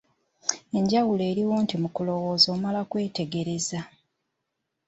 Enjawulo eriwo nti mu kulowooza omala kwetegereza.